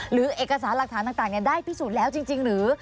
หรือเอกสารหลักฐานต่างได้พิสูจน์แล้วจริงหรือ